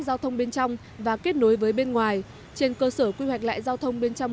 giao thông bên trong và kết nối với bên ngoài trên cơ sở quy hoạch lại giao thông bên trong